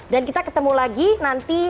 dan kita ketemu lagi nanti